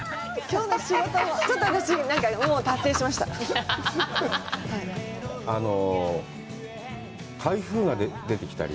きょうの仕事、ちょっと私、もう達成しました。